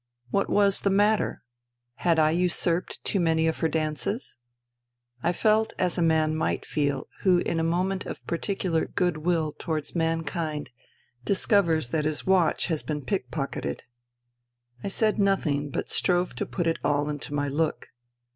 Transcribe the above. What was the matter ? Had I usurped too many of her dances ? I felt as a man might feel who in a moment of particular goodwill towards mankind discovers that his watch has been pick pocketed. I said nothing, but strove to put it all into my look.